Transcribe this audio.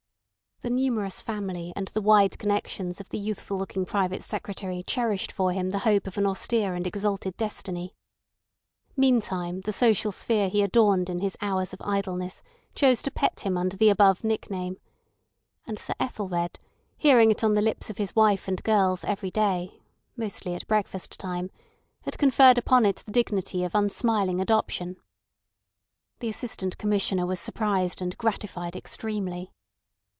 The numerous family and the wide connections of the youthful looking Private Secretary cherished for him the hope of an austere and exalted destiny. Meantime the social sphere he adorned in his hours of idleness chose to pet him under the above nickname. And Sir Ethelred, hearing it on the lips of his wife and girls every day (mostly at breakfast time), had conferred upon it the dignity of unsmiling adoption. The Assistant Commissioner was surprised and gratified extremely.